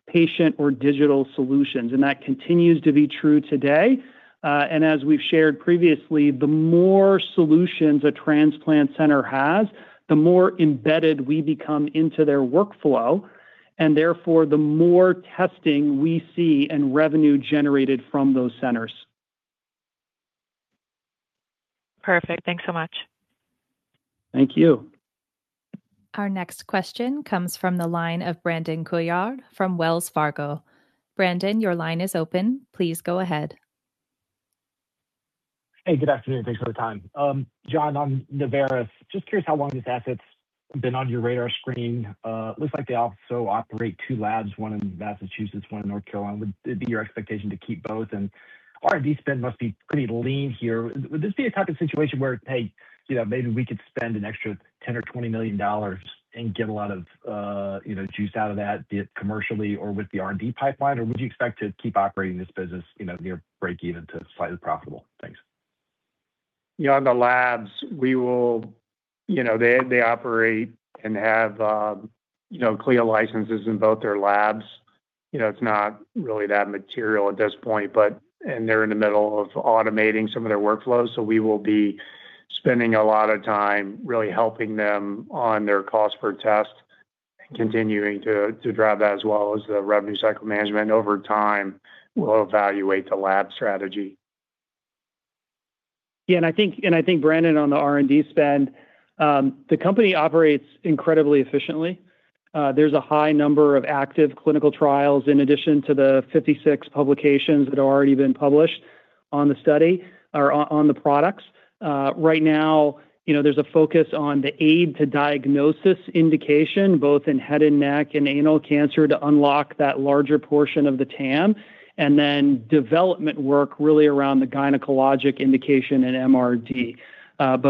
Speaker 3: patient or digital solutions, and that continues to be true today. As we've shared previously, the more solutions a transplant center has, the more embedded we become into their workflow, and therefore, the more testing we see and revenue generated from those centers.
Speaker 6: Perfect. Thanks so much.
Speaker 3: Thank you.
Speaker 1: Our next question comes from the line of Brandon Couillard from Wells Fargo. Brandon, your line is open. Please go ahead.
Speaker 7: Hey, good afternoon. Thanks for the time. John, on Navoris, just curious how long these assets have been on your radar screen. It looks like they also operate two labs, one in Massachusetts, one in North Carolina. Would it be your expectation to keep both? R&D spend must be pretty lean here. Would this be a type of situation where, "Hey, you know, maybe we could spend an extra $10 million or $20 million and get a lot of, you know, juice out of that, be it commercially or with the R&D pipeline?" Or would you expect to keep operating this business, you know, near break even to slightly profitable? Thanks.
Speaker 5: Yeah, on the labs, we will. You know, they operate and have, you know, CLIA licenses in both their labs. You know, it's not really that material at this point, but they're in the middle of automating some of their workflows. We will be spending a lot of time really helping them on their cost per test and continuing to drive that as well as the revenue cycle management. Over time, we'll evaluate the lab strategy.
Speaker 3: I think, Brandon, on the R&D spend, the company operates incredibly efficiently. There's a high number of active clinical trials in addition to the 56 publications that have already been published on the study or on the products. Right now, you know, there's a focus on the aid to diagnosis indication, both in head and neck and anal cancer, to unlock that larger portion of the TAM, and then development work really around the gynecologic indication in MRD.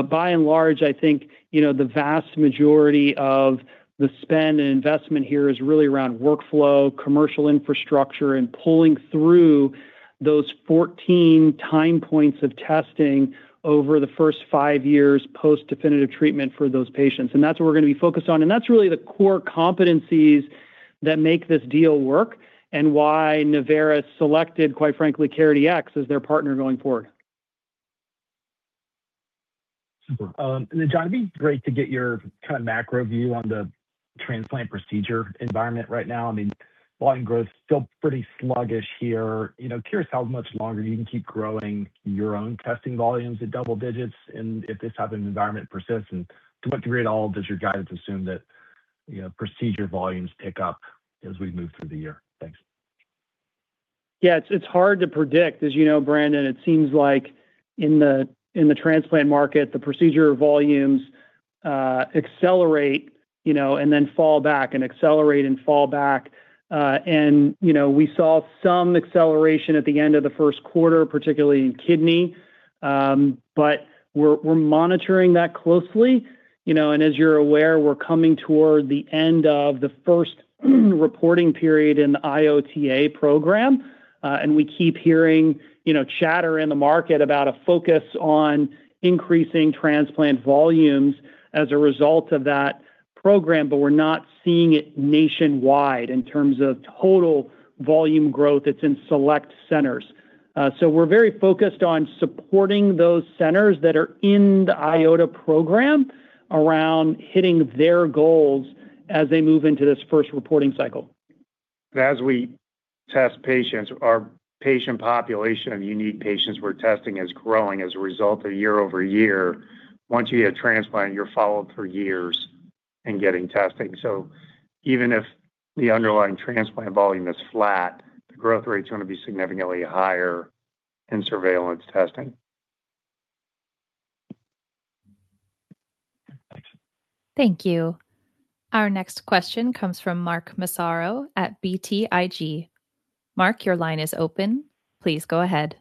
Speaker 3: By and large, I think, you know, the vast majority of the spend and investment here is really around workflow, commercial infrastructure, and pulling through those 14 time points of testing over the first five years post-definitive treatment for those patients, and that's what we're gonna be focused on. That's really the core competencies that make this deal work and why Navoris selected, quite frankly, CareDx as their partner going forward.
Speaker 7: Super. And then, John, it'd be great to get your kind of macro view on the transplant procedure environment right now. I mean, volume growth is still pretty sluggish here. You know, curious how much longer you can keep growing your own testing volumes at double digits and if this type of environment persists. To what degree at all does your guidance assume that, you know, procedure volumes pick up as we move through the year? Thanks.
Speaker 3: Yeah. It's, it's hard to predict. As you know, Brandon, it seems like in the, in the transplant market, the procedure volumes accelerate, you know, and then fall back and accelerate and fall back. You know, we saw some acceleration at the end of the first quarter, particularly in kidney. We're, we're monitoring that closely. You know, and as you're aware, we're coming toward the end of the first reporting period in the IOTA program. And we keep hearing, you know, chatter in the market about a focus on increasing transplant volumes as a result of that program, but we're not seeing it nationwide in terms of total volume growth. It's in select centers. We're very focused on supporting those centers that are in the IOTA program around hitting their goals as they move into this first reporting cycle.
Speaker 5: As we test patients, our patient population of unique patients we're testing is growing as a result of year-over-year. Once you get a transplant, you're followed for years in getting testing. Even if the underlying transplant volume is flat, the growth rate's gonna be significantly higher in surveillance testing.
Speaker 7: Thanks.
Speaker 1: Thank you. Our next question comes from Mark Massaro at BTIG. Mark, your line is open. Please go ahead.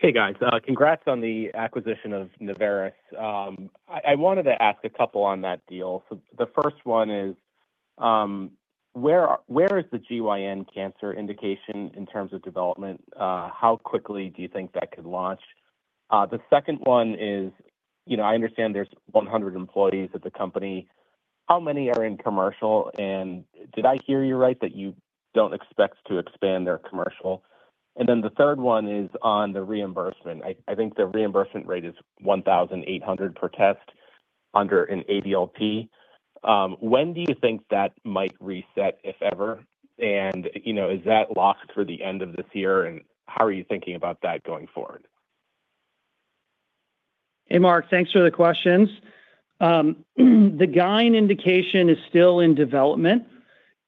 Speaker 8: Hey, guys. Congrats on the acquisition of Navoris. I wanted to ask a couple on that deal. The first one is, where is the GYN cancer indication in terms of development? How quickly do you think that could launch? The second one is, you know, I understand there's 100 employees at the company. How many are in commercial? Did I hear you right, that you don't expect to expand their commercial? The third one is on the reimbursement. I think the reimbursement rate is $1,800 per test under an ADLT. When do you think that might reset, if ever? You know, is that locked for the end of this year, and how are you thinking about that going forward?
Speaker 3: Hey, Mark. Thanks for the questions. The GYN indication is still in development.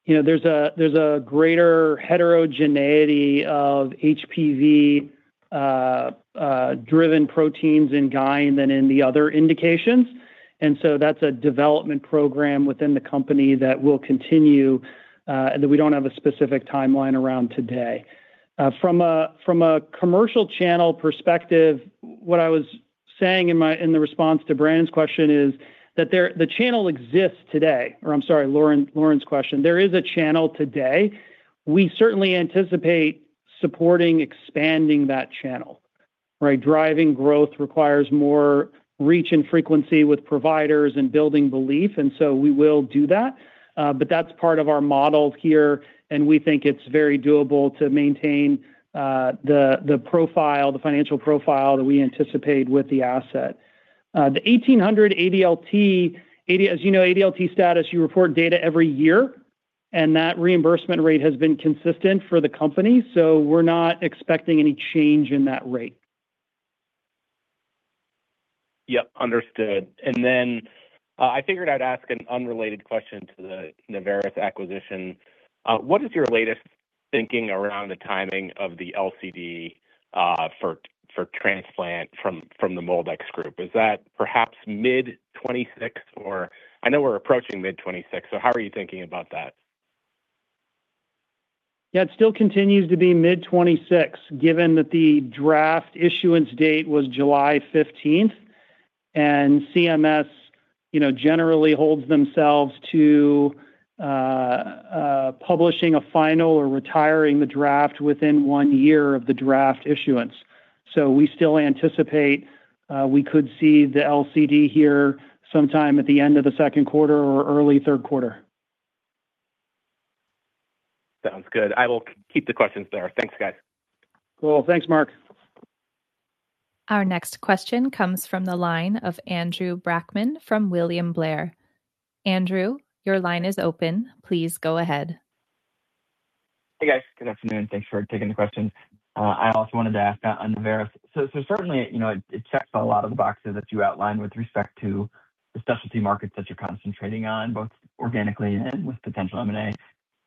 Speaker 3: You know, there's a greater heterogeneity of HPV driven proteins in GYN than in the other indications. That's a development program within the company that will continue, and that we don't have a specific timeline around today. From a commercial channel perspective, what I was saying in the response to Brandon Couillard's question is that the channel exists today. Or I'm sorry, Lauren's question. There is a channel today. We certainly anticipate supporting expanding that channel, right? Driving growth requires more reach and frequency with providers and building belief, we will do that. That's part of our model here, and we think it's very doable to maintain the profile, the financial profile that we anticipate with the asset. The $1,800 ADLT. As you know, ADLT status, you report data every year, and that reimbursement rate has been consistent for the company, so we're not expecting any change in that rate.
Speaker 8: Yep, understood. Then, I figured I'd ask an unrelated question to the Navoris acquisition. What is your latest thinking around the timing of the LCD for transplant from the MolDX group? Is that perhaps mid-2026 or? I know we're approaching mid-2026, how are you thinking about that?
Speaker 3: Yeah, it still continues to be mid-2026, given that the draft issuance date was July 15th, and CMS, you know, generally holds themselves to publishing a final or retiring the draft within one year of the draft issuance. We still anticipate we could see the LCD here sometime at the end of the second quarter or early third quarter.
Speaker 8: Sounds good. I will keep the questions there. Thanks, guys.
Speaker 3: Cool. Thanks, Mark.
Speaker 1: Our next question comes from the line of Andrew Brackmann from William Blair. Andrew, your line is open. Please go ahead.
Speaker 9: Hey, guys. Good afternoon. Thanks for taking the questions. I also wanted to ask on Navoris. Certainly, you know, it checks a lot of the boxes that you outlined with respect to the specialty markets that you're concentrating on, both organically and with potential M&A.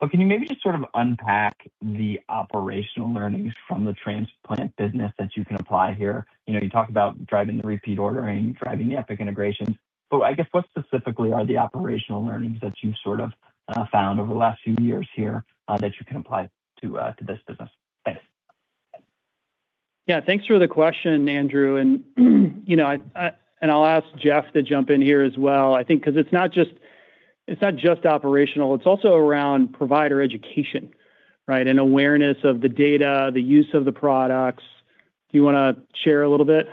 Speaker 9: Can you maybe just sort of unpack the operational learnings from the transplant business that you can apply here? You know, you talk about driving the repeat ordering, driving the Epic integrations, but I guess, what specifically are the operational learnings that you've sort of found over the last few years here that you can apply to this business? Thanks.
Speaker 3: Yeah. Thanks for the question, Andrew. You know, I'll ask Jeff to jump in here as well, I think, 'cause it's not just operational, it's also around provider education, right, an awareness of the data, the use of the products. Do you wanna share a little bit?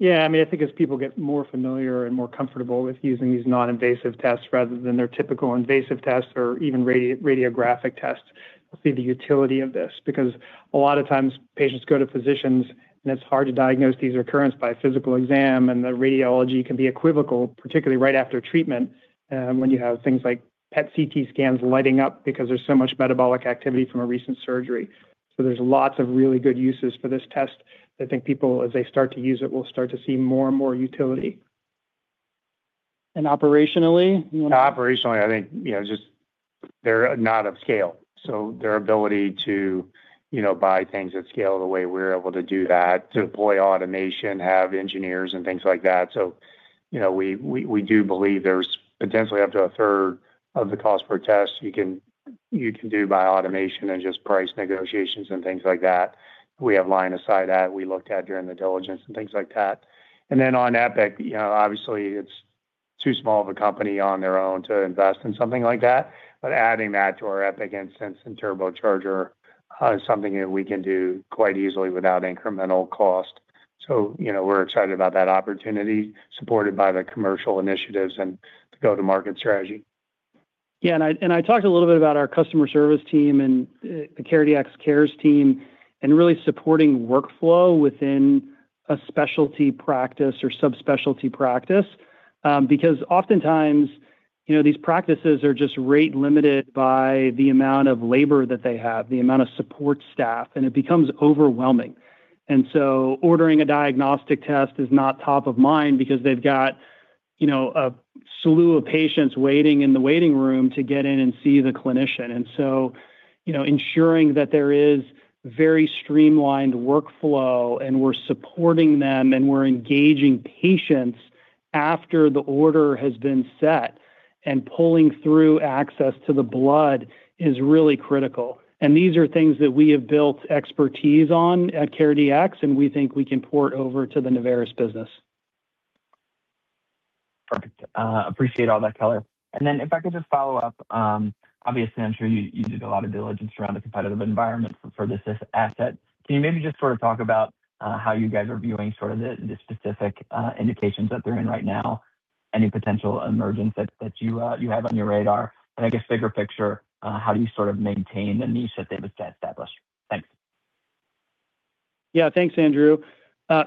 Speaker 4: I mean, I think as people get more familiar and more comfortable with using these non-invasive tests rather than their typical invasive tests or even radiographic tests, we'll see the utility of this. A lot of times patients go to physicians, and it's hard to diagnose these recurrence by physical exam, and the radiology can be equivocal, particularly right after treatment, when you have things like PET CT scans lighting up because there's so much metabolic activity from a recent surgery. There's lots of really good uses for this test that I think people, as they start to use it, will start to see more and more utility.
Speaker 3: Operationally, you.
Speaker 5: Operationally, I think, you know, just they're not of scale. Their ability to, you know, buy things at scale the way we're able to do that, deploy automation, have engineers and things like that. We do believe there's potentially up to a third of the cost per test you can do by automation and just price negotiations and things like that. We have line of sight at, we looked at during the diligence and things like that. Then on Epic, you know, obviously it's too small of a company on their own to invest in something like that, but adding that to our Epic instance and turbocharger is something that we can do quite easily without incremental cost. We're excited about that opportunity supported by the commercial initiatives and the go-to-market strategy.
Speaker 3: I talked a little bit about our customer service team and the CareDx Cares team, really supporting workflow within a specialty practice or subspecialty practice. Because oftentimes, you know, these practices are just rate-limited by the amount of labor that they have, the amount of support staff, and it becomes overwhelming. Ordering a diagnostic test is not top of mind because they've got, you know, a slew of patients waiting in the waiting room to get in and see the clinician. Ensuring that there is very streamlined workflow and we're supporting them and we're engaging patients after the order has been set and pulling through access to the blood is really critical. These are things that we have built expertise on at CareDx, and we think we can port over to the Navoris business.
Speaker 9: Perfect. Appreciate all that color. If I could just follow up, obviously I'm sure you did a lot of diligence around the competitive environment for this asset. Can you maybe just sort of talk about how you guys are viewing sort of the specific indications that they're in right now? Any potential emergence that you have on your radar? I guess bigger picture, how do you sort of maintain the niche that they've established? Thanks.
Speaker 3: Thanks, Andrew.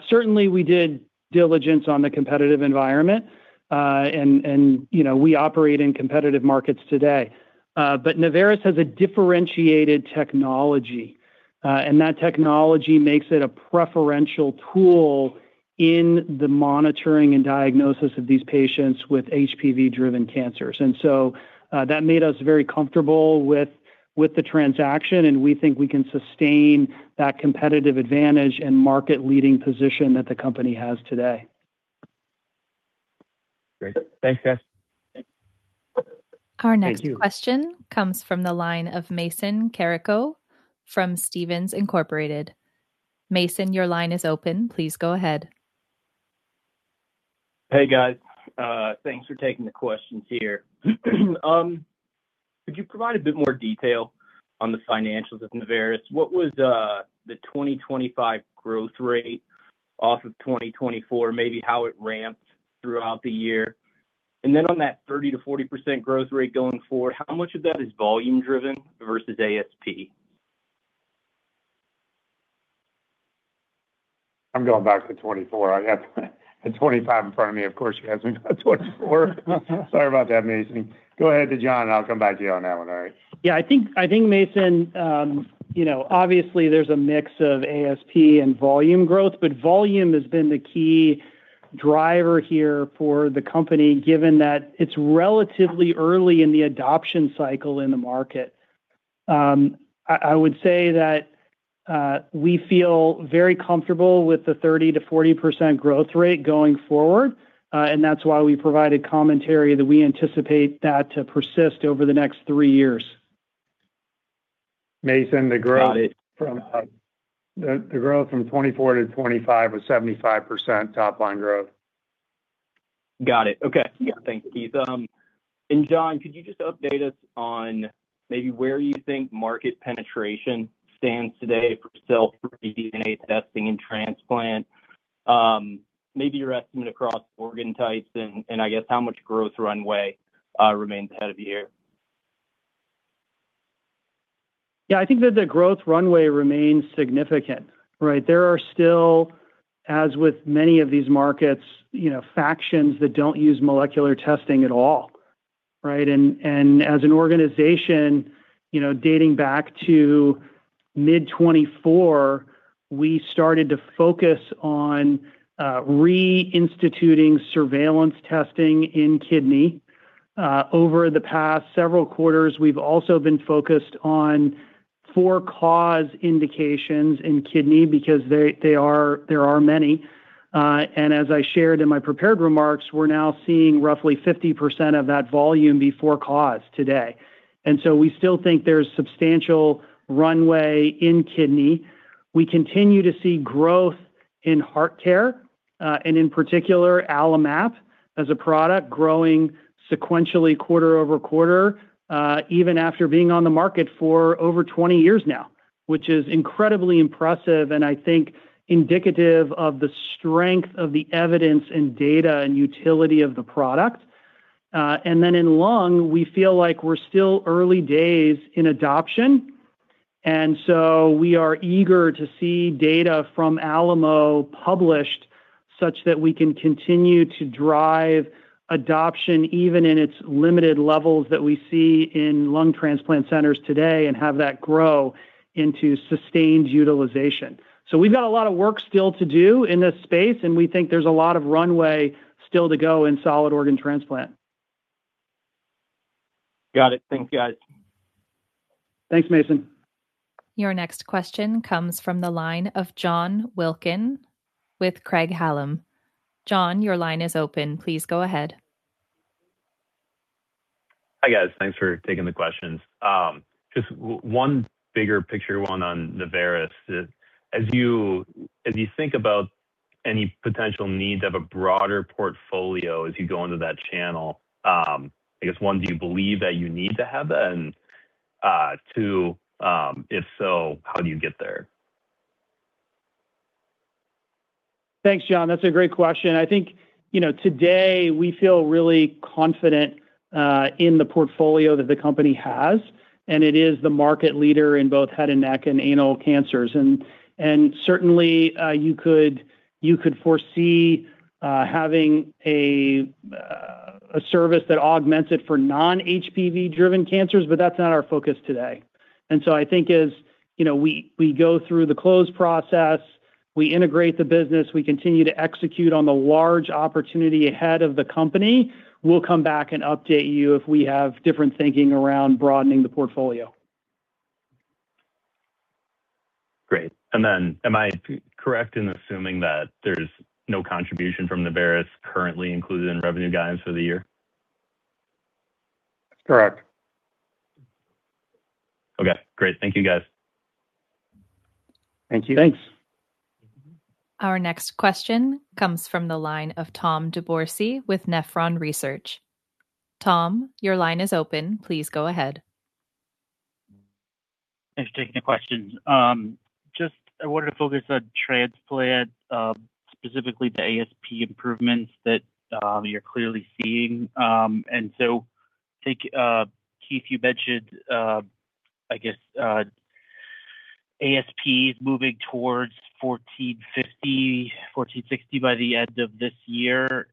Speaker 3: Certainly we did diligence on the competitive environment. You know, we operate in competitive markets today. Navoris has a differentiated technology, and that technology makes it a preferential tool in the monitoring and diagnosis of these patients with HPV-driven cancers. That made us very comfortable with the transaction, and we think we can sustain that competitive advantage and market-leading position that the company has today.
Speaker 9: Great. Thanks, guys.
Speaker 3: Thank you.
Speaker 1: Our next question comes from the line of Mason Carrico from Stephens Inc. Mason, your line is open. Please go ahead.
Speaker 10: Hey, guys. thanks for taking the questions here. Could you provide a bit more detail on the financials of Navoris? What was the 2025 growth rate off of 2024? Maybe how it ramped throughout the year. Then on that 30%-40% growth rate going forward, how much of that is volume driven versus ASP?
Speaker 5: I'm going back to 24. I have had 25 in front of me. You ask me about 24. Sorry about that, Mason. Go ahead to John, and I'll come back to you on that one, all right?
Speaker 3: Yeah. I think, Mason, you know, obviously there's a mix of ASP and volume growth, but volume has been the key driver here for the company, given that it's relatively early in the adoption cycle in the market. I would say that, we feel very comfortable with the 30%-40% growth rate going forward. That's why we provided commentary that we anticipate that to persist over the next three years.
Speaker 5: Mason.
Speaker 10: Got it.
Speaker 5: From the growth from 2024 to 2025 was 75% top line growth.
Speaker 10: Got it. Okay.
Speaker 3: Yeah.
Speaker 10: Thank you, Keith. John, could you just update us on maybe where you think market penetration stands today for cell free DNA testing and transplant? Maybe your estimate across organ types and I guess how much growth runway remains ahead of you here.
Speaker 3: Yeah. I think that the growth runway remains significant, right? There are still, as with many of these markets, you know, factions that don't use molecular testing at all, right? As an organization, you know, dating back to mid-2024, we started to focus on reinstituting surveillance testing in kidney. Over the past several quarters, we've also been focused on for-cause indications in kidney because there are many. As I shared in my prepared remarks, we're now seeing roughly 50% of that volume before-cause today. We still think there's substantial runway in kidney. We continue to see growth in HeartCare, and in particular AlloMap as a product growing sequentially quarter-over-quarter, even after being on the market for over 20 years now, which is incredibly impressive and I think indicative of the strength of the evidence and data and utility of the product. Then in lung, we feel like we're still early days in adoption. So we are eager to see data from ALAMO published such that we can continue to drive adoption, even in its limited levels that we see in lung transplant centers today and have that grow into sustained utilization. We've got a lot of work still to do in this space, and we think there's a lot of runway still to go in solid organ transplant.
Speaker 10: Got it. Thank you, guys.
Speaker 3: Thanks, Mason.
Speaker 1: Your next question comes from the line of John Wilkin with Craig-Hallum. John, your line is open. Please go ahead.
Speaker 11: Hi, guys. Thanks for taking the questions. Just one bigger picture, one on Navoris. As you think about any potential need to have a broader portfolio as you go into that channel, I guess, one, do you believe that you need to have that? Two, if so, how do you get there?
Speaker 3: Thanks, John. That's a great question. I think, you know, today we feel really confident in the portfolio that the company has, and it is the market leader in both head and neck and anal cancers. Certainly, you could foresee having a service that augments it for non-HPV driven cancers, but that's not our focus today. I think as, you know, we go through the close process, we integrate the business, we continue to execute on the large opportunity ahead of the company, we'll come back and update you if we have different thinking around broadening the portfolio.
Speaker 11: Great. Am I correct in assuming that there's no contribution from Navoris currently included in revenue guidance for the year?
Speaker 5: That's correct.
Speaker 11: Okay, great. Thank you, guys.
Speaker 3: Thank you.
Speaker 5: Thanks.
Speaker 1: Our next question comes from the line of Tom DeBourcy with Nephron Research. Tom, your line is open. Please go ahead.
Speaker 12: Thanks for taking the questions. Just I wanted to focus on transplant, specifically the ASP improvements that you're clearly seeing. I think Keith, you mentioned, I guess, ASP is moving towards $1,450, $1,460 by the end of this year.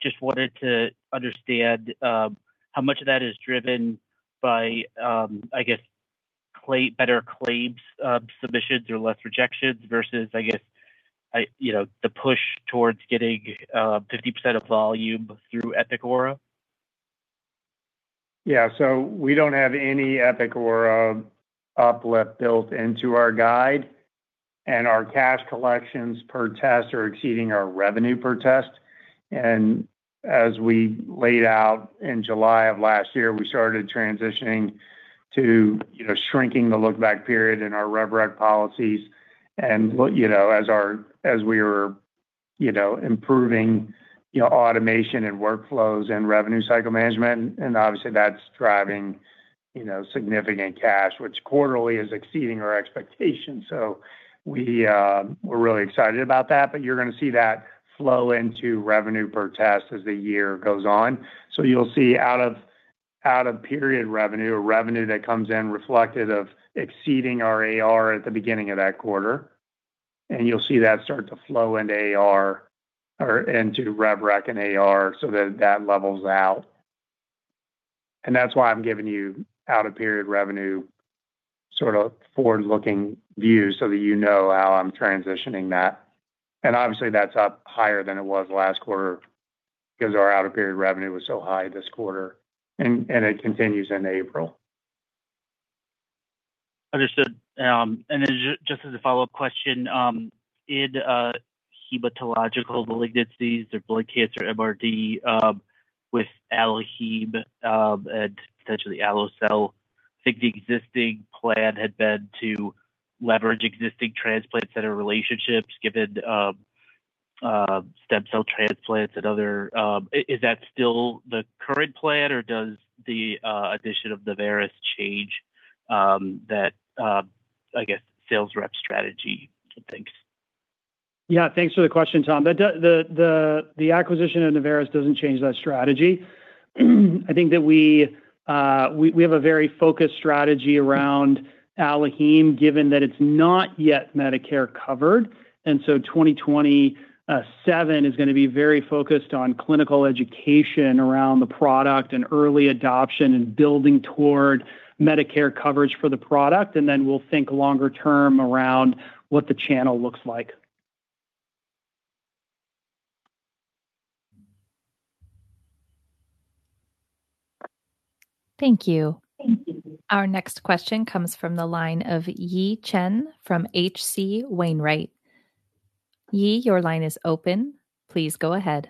Speaker 12: Just wanted to understand how much of that is driven by, I guess, better claims submissions or less rejections versus, I guess, I, you know, the push towards getting 50% of volume through EPIC Aura.
Speaker 5: Yeah. We don't have any Epic Aura uplift built into our guide, and our cash collections per test are exceeding our revenue per test. As we laid out in July of last year, we started transitioning to, you know, shrinking the look-back period in our rev rec policies as we were, you know, improving, you know, automation and workflows and revenue cycle management. Obviously, that's driving, you know, significant cash, which quarterly is exceeding our expectations. We're really excited about that, but you're gonna see that flow into revenue per test as the year goes on. You'll see out of period revenue that comes in reflective of exceeding our AR at the beginning of that quarter. You'll see that start to flow into AR or into rev rec and AR so that levels out. That's why I'm giving you out of period revenue sort of forward-looking view so that you know how I'm transitioning that. Obviously, that's up higher than it was last quarter because our out of period revenue was so high this quarter, and it continues in April.
Speaker 12: Understood. Just as a follow-up question, in hematological malignancies or blood cancer MRD, with AlloHeme, and potentially AlloCell, I think the existing plan had been to leverage existing transplant center relationships given stem cell transplants and other. Is that still the current plan, or does the addition of Navorus change that, I guess, sales rep strategy? Thanks.
Speaker 3: Thanks for the question, Tom. The acquisition of Navoris doesn't change that strategy. I think that we have a very focused strategy around AlloHeme given that it's not yet Medicare covered. 2027 is going to be very focused on clinical education around the product and early adoption and building toward Medicare coverage for the product. We will think longer term around what the channel looks like.
Speaker 1: Thank you. Our next question comes from the line of Yi Chen from H.C. Wainwright. Yi, your line is open. Please go ahead.